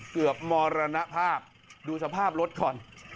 เกือบมรณภาพดูสภาพรถก่อน